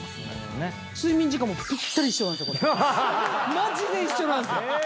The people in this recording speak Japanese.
マジで一緒なんですよ。